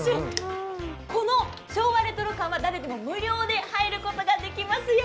この昭和レトロ館は誰でも無料で入ることができますよ。